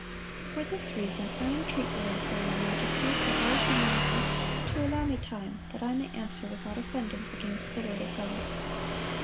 '(215) For this reason I entreat your imperial majesty, with all humility, to allow me time, that I may answer without offending against the word of God."